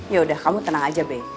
yaudah kamu tenang aja bey